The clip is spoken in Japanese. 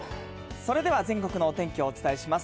それでは全国のお天気をお伝えします。